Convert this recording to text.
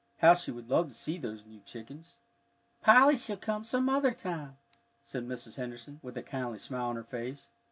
How she would love to see those new chickens! "Polly shall come some other time," said Mrs. Henderson, with a kindly smile on her face.